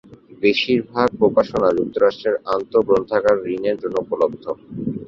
বেশিরভাগ প্রকাশনা যুক্তরাষ্ট্রের আন্তঃ-গ্রন্থাগার ঋণের জন্য উপলব্ধ।